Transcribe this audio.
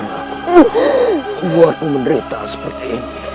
apakah kalian masih mampu menghadapiku